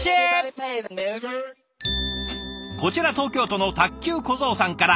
こちら東京都の卓球小僧さんから。